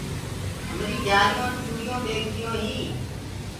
همري گھيآريونٚ چوڙيونٚ ٻيڪديونٚ هينٚ